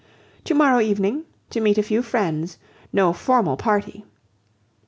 "To morrow evening, to meet a few friends: no formal party."